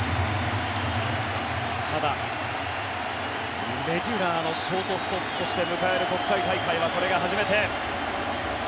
ただ、レギュラーのショートストップとして迎える国際大会はこれが初めて。